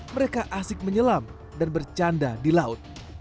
mereka asik menyelam dan bercanda di laut